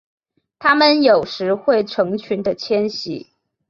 它们有时会成群的迁徙。